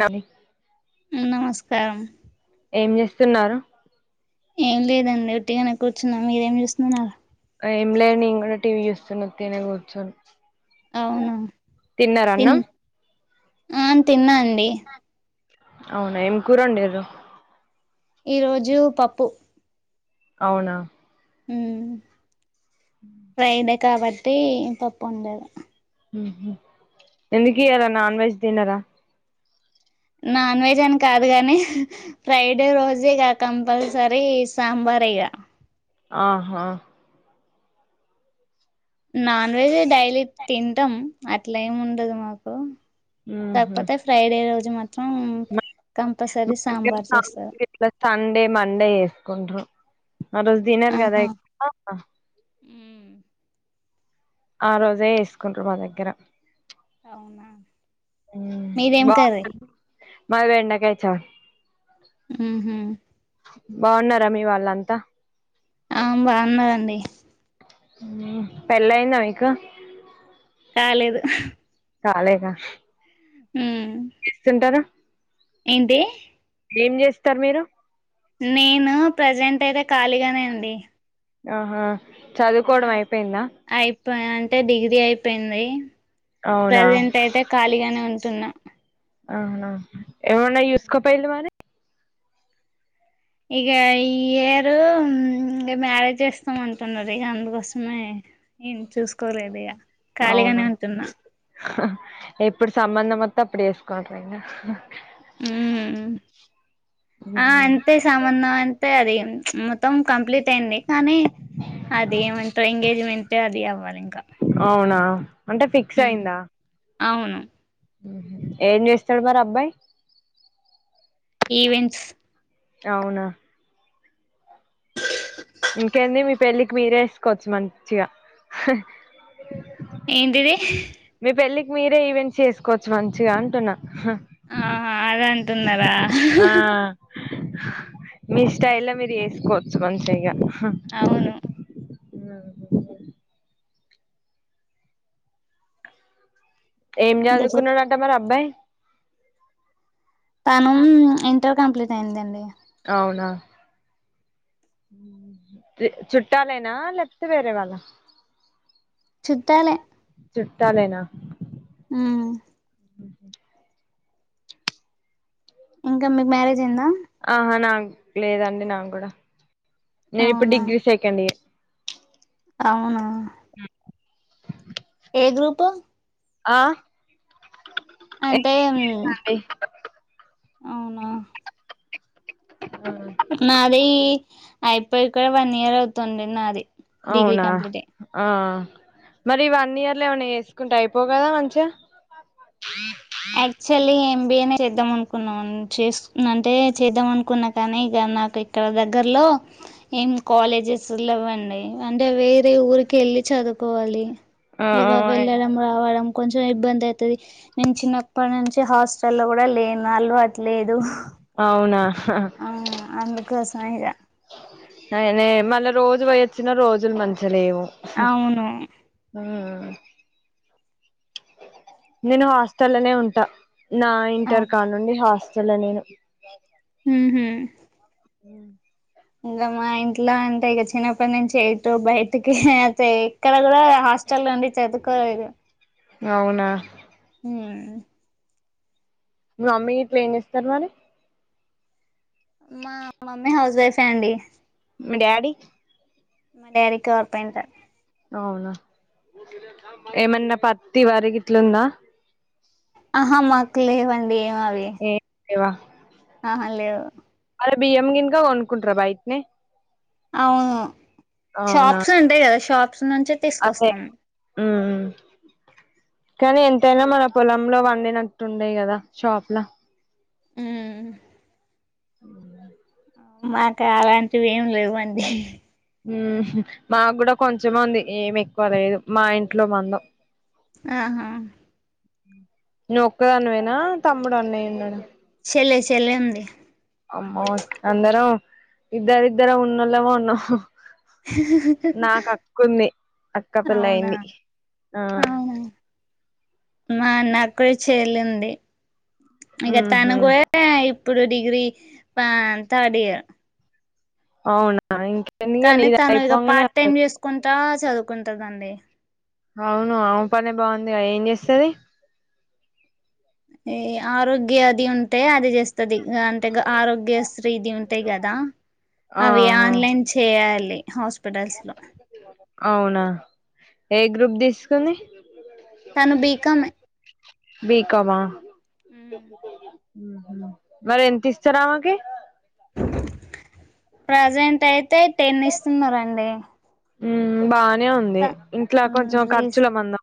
మామి ఉ నమస్కారం ఏం చేస్తున్నారు. ఏం లేదండి ఒట్టిగానే కూర్చున్నా మీరేం చూస్తున్నారు ఏం లే నేను కూడా టీవీ చూస్తున్న తిని కూర్చొని అవునా తిన్నార తిన్ అన్నం అ తిన్నా అండి అవునా ఏం కూర వండిండ్రు ఈ రోజు పప్పు అవునా ఉ ఫ్రైడే కాబట్టి పప్పు వొండా ఉహు ఎందు కి ఇయ్యాల నాన్ వెజ్ తిన్నారా నాన్ వెజ్ అని కాదు గాని ఫ్రైడే రోజు ఇక కంపల్సరీ సాంబార్ ఇగ ఆహా నాన్ వెజ్ డైలీ తింటాం అట్లా ఏమి ఉండదు మాకు ఉహు కాకపోతే ఫ్రైడే రోజు మాత్రం కంపల్సరీ సాంబార్ చేస్తారు ఇలా తన్ డే మండే చేసుకుంటురు ఆ రోజు తినరు కదా ఆహా ఎక్కువ ఆ రోజే వేసుకుంట్రారు మా దగ్గర అవునా ఉ మీదేం కర్రీ బాగుంటుంది మది బెండకాయ చా ఉహు బాగున్నారా మీ వాళ్ళంతా ఆ బాగున్నారండి ఉ పెళ్లి అయిందా మీకు కాలేదు హు కాలేదా ఉ చేస్తుంటారు ఏంటీ ఏం చేస్తారు మీరు నేను ప్రజెంట్ అయితే ఖాళీగానే అండి ఆహా నా చదువుకోవడం అయిపోయిందా అయిపోయి అంటే డిగ్రీ అయిపోయింది అవునా ప్రజెంట్ అయితే ఖాళీగానే ఉంటున్న అవునా ఎమన్నా యూస్కోప్ పోయిండా మరి ఇక ఈ ఇయరు మ్యారేజ్ చేస్తాం అంటున్నారు ఇక అందుకోసమే ఏం చూసుకోలేదు ఇగ అవునా ఎప్పుడు సంబంధం వత్తే అప్పుడు ఎసుకుంటారు ఇంకా హా ఉమ్ ఆ అంతేస్ సంబంధం అంటే అది మొత్తం కంప్లీట్ అయింది కానీ అది ఏమంటారు ఎంగేజ్మెంట్ అది అవ్వాలి ఇంకా అవునా అంటే ఫిక్స్ ఉమ్ అయియందా అవును ఏం చేస్తాడు మరి అబ్బాయి ఈవెంట్స్ అవున ఇంకేంది మీ పెళ్ళికి మీరే వేసుకోవచ్చు మంచిగా ఏంటిది మీ పెళ్ళికి మీరే ఈవెంట్ చేసుకోవచ్చు మంచిగా అంటున్నా హా ఆహా అద అంటున్నారా ఆ మీ స్టైల్ లో మీరు వేసుకోవచ్చు మంచిగా అవును [unintelligible] ఏం ఇంకా చెప్ చదువుకున్నాడంట మరి అబ్బాయి తనుం ఇంటర్ కంప్లీట్ అయిందండి అవునా చుట్టాలేనా లేకపోతే వేరే వాళ్ళ చుట్టాలే చుట్టాలేనా ఆ ఇంకా మీకు మ్యారేజ్ అయిందా ఆహా నాకు లేదండి నాకు కూడా నేను ఇప్పుడు అవునా డిగ్రీ సెకండ్ ఇయర్ అవునా అ ఏ గ్రూపు ఆ అంటే ఏ అవునా ఆ నాది అయిపోయి కూడా వన్ ఇయర్ అవుతుంది నాది డిగ్రీ అవునా కంప్లీట్ అయి ఆ మరి వన్ ఇయర్ లో ఏమనా ఏసుకుంటే అయిపో కదా మంచిగా [unintelligible] యాక్చువల్లీ ఎంబిఏనే చేద్దాం అనుకున్నాం చేస్ అంటే చేద్దాం అనుకున్నా కానీ ఇగ నాకు ఇక్కడ దగ్గరలో ఏం కాలేజెస్ లేవ్వండి అంటే వేరే ఊరికి ఎళ్ళి చదువుకోవాలి ఆ ఇగ వెళ్ళడం రావడం కొంచెం ఇబ్బంది అయితది ఇం చిన్నప్పుడు నుంచి హాస్టల్లో కూడా లేను అలవాటు లేదు అవునా ఆ అందుకోసమే ఇగ అయనే మళ్ళా రోజు పోయి వచ్చినా రోజులు మంచిగా లేవు అవును ఉమ్మ్ నేను హాస్టల్లోనే ఉంటా నా ఇంటర్ అవునా కాడనుండి హాస్టలే నేను మ్మ్ఉమ్మ్ ఆ ఇంగ మా ఇంట్లో అంటే ఇగ చిన్నప్పుడు నుంచి ఎటో బయటికి అయితే ఎక్కడ కూడా హాస్టల్లో ఉండి చదువుకోలేదు అవునా ఉమ్మ్ మీ మమ్మీ ఇట్ల ఏం చేస్తారు మరి మా మమ్మీ హౌస్ వైఫే అండి మీ డాడీ మా డాడీ కార్పెంటర్ అవునా ఏమన్నా పత్తి వరి గిట్లుందా ఆహా మాకు లేవండి ఏం అవి ఏ లేవా ఆహా లేవు అదే బియ్యం గిన్క కొనుక్కుంటరా బయట్నే అవును అవునా షాప్స్ ఉంటాయి కదా షాప్స్ నుంచే అదే తీసుకొస్తాం ఉమ్మ్ కానీ ఎంతైనా మన పొలంలో పండినట్టు ఉండయి కదా షాప్‌లా ఉమ్ ఉమ్ మాకు అలాంటివి ఏమి లేవండి ఉమ్మ్ మాక్కూడా కొంచమే ఉంది ఏమి ఎక్కువ లేదు మా ఇంట్లో పండవ్ ఆహా నువ్వు ఒక్కదానివేనా తమ్ముడు అన్నయ్య ఉన్నాడా చెల్లె సెల్లె ఉంది అమ్మో అందరం ఇద్దరు ఇద్దరం ఉన్నోళ్లమే ఉన్నాం నాకు అక్కుంది అక్క అవునా పెళ్లయింది ఆ అవునా మా నాక్కూడా చెల్లింది ఇగ తను ఉహ్ కూయే ఇప్పుడు డిగ్రీ ఆ థర్డ్ ఇయర్ అవునా ఇంకేమి ఇగ నీది అయిపోంగానే వత్త కుంట చదువుకుంటాదండి అవును ఆమె పనే బాగుందిగా ఏం చేస్తాది ఏ ఆరోగ్యది ఉంటే అది చేస్తాది అంటే గా ఆరోగ్య శ్రీది ఉంటాయి కదా అవి ఆహా ఆన్లైన్ చేయాలి హాస్పిటల్స్‌లో అవునా ఏ గ్రూప్ తీసుకుంది తను బీకామే. బీకామా. ఉమ్. ఉహూ మరి ఎంత ఇస్తారు ఆమెకి. ప్రజెంట్ అయితే టెన్ ఇస్తున్నండి. ఉమ్ బానే ఉంది ఇంట్లా కొంచెం ఖర్చుల మందం.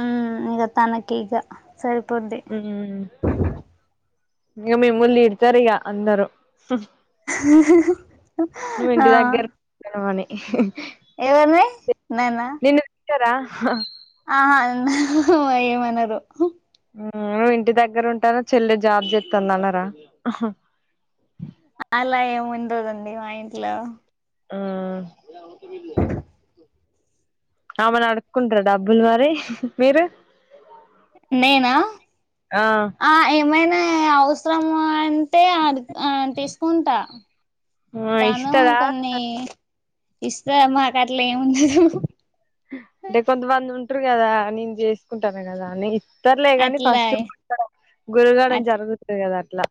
ఉమ్ ఇంకా తనకి ఈగ సరిపోర్ది. ఉమ్ ఇంకా మీముల్నీ తిడతారు ఇగ అందరు. ఆహ్. మనవానే. ఎవరిని నన్న. నిన్ను తిడతారా. ఆహ్ ఎందుకు ఏమన్నారు. నువ్వు ఇంటి దగ్గర ఉంటావు చెల్లె జాబ్ చెస్తుంది అన్నరా. అలా ఏముండదండి మా ఇంట్లో. ఆహ్. ఏమన్నా అడుక్కుంటార డబ్బులు మరి మీరు. నేనా ఆ ఆహ్ ఏమైనా అవసరం అంటే అడు ఆహ్ తీసుకుంటా ఆ తాను ఇస్తదా కొన్ని ఇస్తాదనుమాట అట్లేముండదు. అంటే కొంతమంది ఉంటారు కదా నేను చేసుకుంటాను కదా అని. సర్లే కాని అట్లా ఫస్ట్ గురగడ జరుగుతుంది కదా అట్లా.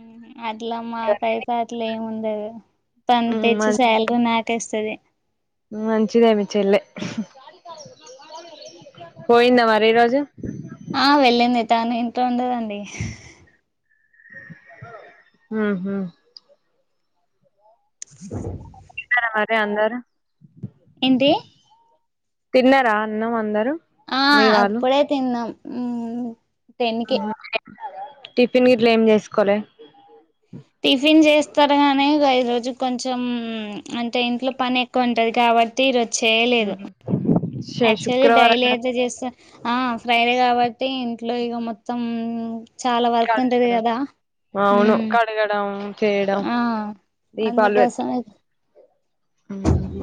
ఆహ్ అట్లా మాకైతే అట్లా ఏముండదు. తాను తెచ్చి శాలరీ నాకే ఇస్తది. మంచిదే మీ చెల్లె పోయిందా మరి ఈ రోజు. ఆహ్ వెళ్ళింది తాను ఇంట్లో ఉండదండి. ఉహూ. అ తిన్నారా మరి అందరు. ఎంటి. తిన్నారా అన్నాం అందరు. మీ ఆహ్ వాళ్ళు అప్పుడే తిన్నాం ఉమ్. టిఫిన్ గిట్లా ఏం చేసుకోవాలే. టిఫిన్ చేస్తారు గానీ ఇగ ఈరోజు కొంచెం. అంటే ఇంట్లో పని ఎక్కువ ఉంటది కాబట్టి ఈరోజు చేయలేదు. యాక్చువల్లీ శుక్రవారం డైలీ అయితే చేస్తా. ఆహ్ ఫ్రైడే కాబట్టి ఇంట్లో ఇక మొత్తం. చాలా వర్క్ ఉంటది కడగడం కదా అవును ఉమ్. కడగడం చేయ ఆహ్ అందుకోసమే ఉమ్.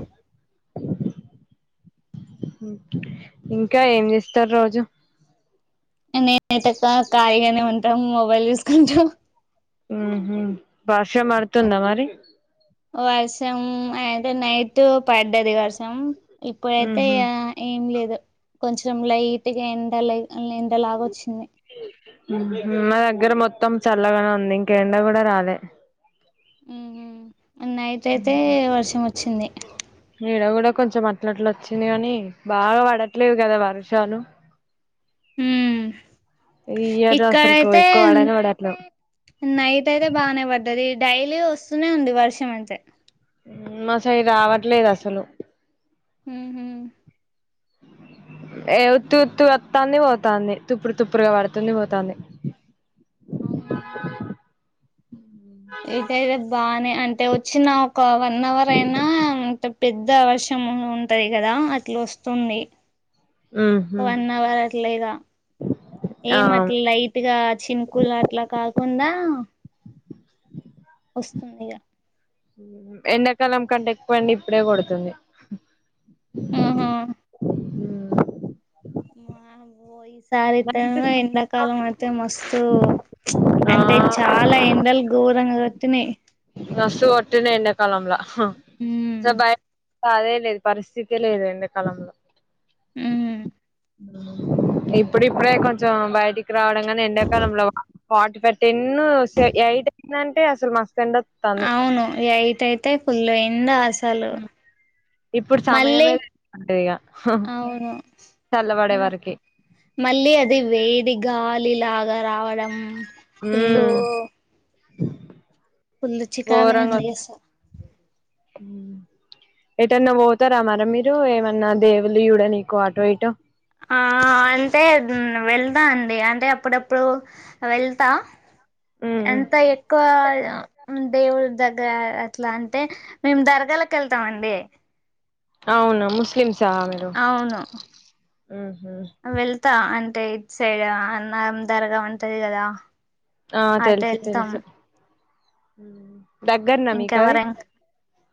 ఇంకా ఏం చేస్తారు రోజు. నేనైతే కా ఖాళీగానే ఉంటా మొబైల్ చూసుకుంటూ. ఉహూ వర్షం పడుతుందా మరి. వర్షం అయితే నైట్ పడ్డది వర్షం ఇప్పుడైతే ఉహు ఇగ. ఏం లేదు కొంచెం లైట్గా ఎండ లె ఎండలాగ వచ్చింది. మా దగ్గర మొత్తం చల్లగానే ఉంది ఇంకా ఎండ కూడా రాలే ఉహు నైట్ అయితే వర్షం వచ్చింది. ఇడ కూడా కొంచెం అట్ల అట్ల వచ్చింది కాని బాగా పడట్లేదు కదా వర్షాలు. ఉమ్ ఇయారు అసలుకు ఇక్కడైతే ఎక్కువ వాడనే వాడట్లే నైట్ అయితే బానే పడ్డది డైలీ వస్తూనే ఉంది వర్షం అంతే మా సైడ్ రావట్లేదు అసలు ఆహ ఏ ఉత్తి ఉత్తి వత్తాన్ని పోతాంది తుప్పు తుప్పురుగా పడుతుంది పోతుంది. అవునా ఇటు అయితే బానే అంటే వచ్చిన ఒక వన్ అవర్ అయినా అంటే పెద్ద అవషము ఉంటుంది కదా అట్లా వస్తుంది ఉహు వన్ అవర్ అట్లేగా ఆ ఏం అట్లయి ఇట్గా చినుకులు అట్లా కాకుండా వస్తుందిగా ఎండాకాలం కంటే ఎక్కువ ఎండ ఇప్పుడే కొడుతుంది. హహ మా బోయిస్ సారి నైట్ ఇత్తను ఇంద కాలం అయితే మస్తు ఆ అంటే చాలా ఎండలు ఘోరంగా కొడుతున్నాయ్ మస్తు కొట్టిన ఎండాకాలంలో హ ఉమ్ జబయ్ అదేలేదు పరిస్థితి లేద ఎండకాలంలో ఉ ఇప్పుడిప్పుడే కొంచెం బయటికి రావడంగానే ఎండాకాలంలో ఫార్టీ ఫైవ్ టెన్ స్ ఎయిట్ అయిందంటే అసలు మస్తు అండ అవును ఎయిట్ అయితే ఫుల్ ఎండ అసలు ఇప్పుడు మళ్ళీ సమయంమద ఉంటంది ఇగ హ అవును చల్లబడే వారికి మళ్ళీ అది వేది గాలిలాగా రావడం ఆ ఫుల్లు ఫుల్లు చికాగా ఎండఎస్ ఎటన్నా పోతారా మరా మీరు ఏమన్నా దేవులు చుడానీకు ఆటో ఇటో ఆ అంటే ఉ వెళ్దా అండి అంటే అప్పుడుప్పుడు వెళ్తా ఎంత ఎక్కువ అ ఉ దేవుడి దగ్గర అట్లా అంటే మేము దరగాలకు వెళ్తాం అండి. అవునా ముస్లిమ్స మీరు అవును ఉహు వెళ్తా అంటే ఇటు సైడ్ అన్నం దరగ ఉంటది కదా ఆ అటు తెలుసు వెళ్తాం తెలుసు దగ్గరనా మీకు అది, ఇంకెవరైనా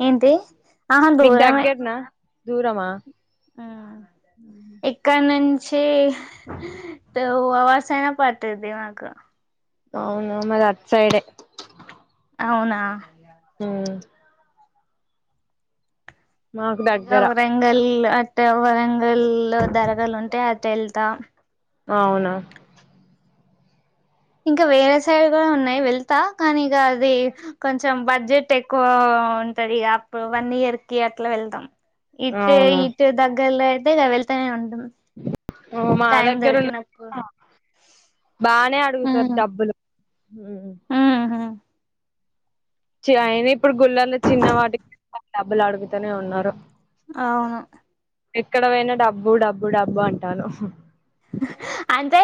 ఏంటి ఆహా మీకు దూరమే దగ్గరనా? దూరమా? ఇక్కడ నుంచి టూ అవర్స్ అయిన పట్టుది మాకు అవును మది అటు సైడే అవునా హమ్ మాకు ఇంకా దగ్గర వరంగల్ అట్ట వరంగల్ లో దరగాలు ఉంటే అటు వెళ్తా అవునా ఇంకా వేరే సైడ్ గుడా ఉన్నాయ్ వెళ్తా కానీ ఇగా అది కొంచెం బడ్జెట్ ఎక్కువా ఆ ఉంటది ఇగ అప్పుడు వన్ ఇయర్ కి అట్ల వెళ్తాం ఇట్టే అవును ఇటే దగ్గర్లో అయితే వెళ్తనే ఉంటం ఓ మా టైమ్ దగ్గర దొరికినప్పు ఉన్న బానే అడుగుతర్ డబ్బులు ఊహూ చి ఆయన ఇప్పుడు గుళ్లలో చిన్న వాటి [inaudible] డా డబ్బులు అడుగుతనే ఉన్నారు ఆవును ఎక్కడ వొయినా డబ్బు డబ్బు డబ్బు అంటాను అంతే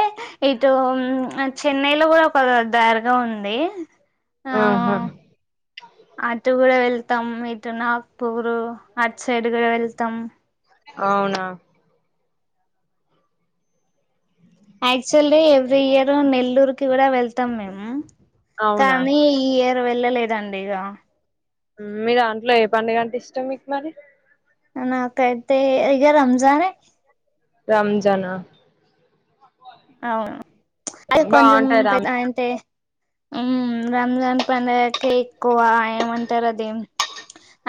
ఇటూ ఉమ్ చెన్నై లో కూడా ఒక దారగా ఉందీ ఆహా ఆ అటు గుడా వెళ్తాం ఇటు నాగ్పూరు అట్ సైడ్ గూడ వెళ్తం అవునా ఆక్చువల్లీ ఎవ్రీ ఇయరు నెల్లూరుకిి గుడా వెళ్తం మేమ్ అవునా కానీ ఈ ఇయర్ వెళ్ళలేదండి ఇగా మీ దాంట్లో ఏ పండుగ అంటే ఇష్టం మీక్ మరి నాకైతే ఇగ రంజానే రంజానా అవును అది కొంజెం బాగుంటాయి పెద్ రంజాన్ అయింతే ఉమ్ రంజాన్ పండగకే ఎక్కువ ఏమంటరు అదిమ్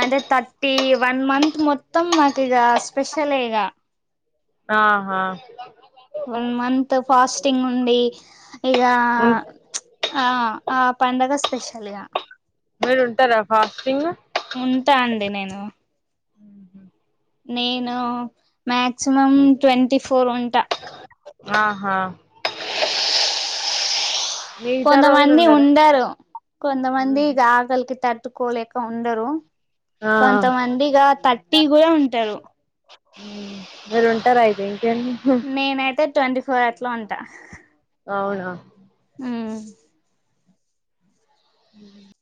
అంటే థర్టీ వన్ మంత్ మొత్తం మాకు ఇగా స్పెషలే ఇగా ఆహా వన్ మంత్ ఫాస్టింగ్ ఉండీ ఇగా ఉన్ ఆ ఆ పండగ స్పెష్షల్ గా మీరు ఉంటరా ఫాస్టింగ్ ఉంటా అండి నేను ఊహు నేనూ మాక్సిమం ట్వంటీ ఫోర్ ఉంటా ఆహా మిగతా రోజులు కొందమంది ఉండరు కొందమంది ఇగ ఆకలికి తట్టుకోలేక ఉండరు ఆ కొంతమంది ఇగా థర్టీ గూడా ఉంటరు ఊ మీరు ఉంటరు అయితే ఇంకేం మీకు నేనైతే ట్వంటీ ఫోర్ అట్లా ఉంటా అవునా ఊ హూ